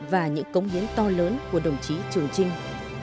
và những cống hiến to lớn của đồng chí trường trinh